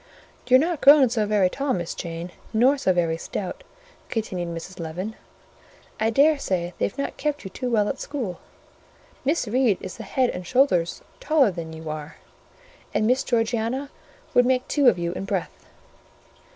"You're not grown so very tall, Miss Jane, nor so very stout," continued Mrs. Leaven. "I dare say they've not kept you too well at school: Miss Reed is the head and shoulders taller than you are; and Miss Georgiana would make two of you in breadth."